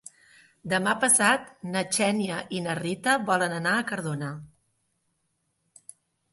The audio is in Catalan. Demà passat na Xènia i na Rita volen anar a Cardona.